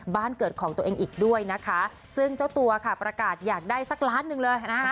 บ้านเกิดของตัวเองอีกด้วยนะคะซึ่งเจ้าตัวค่ะประกาศอยากได้สักล้านหนึ่งเลยนะฮะ